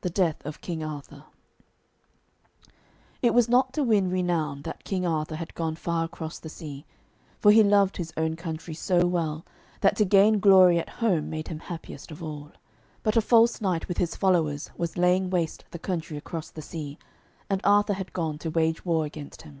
THE DEATH OF KING ARTHUR It was not to win renown that King Arthur had gone far across the sea, for he loved his own country so well, that to gain glory at home made him happiest of all. But a false knight with his followers was laying waste the country across the sea, and Arthur had gone to wage war against him.